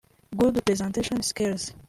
Good presentation skills